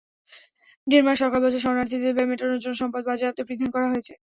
Denmark সরকার বলছে, শরণার্থীদের ব্যয় মেটানোর জন্য সম্পদ বাজেয়াপ্তের বিধান করা হয়েছে।